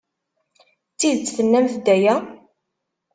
D tidet tennamt-d aya?